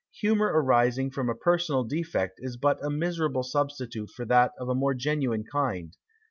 Humour arising from a personal defect is but a miserable substitute for that of a more genuine kind.